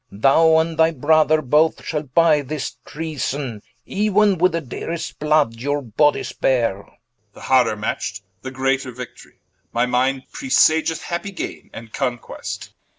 Thou and thy Brother both shall buy this Treason Euen with the dearest blood your bodies beare Edw. The harder matcht, the greater Victorie, My minde presageth happy gaine, and Conquest.